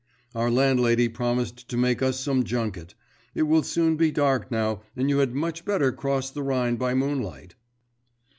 Our landlady promised to make us some junket. It will soon be dark now, and you had much better cross the Rhine by moonlight.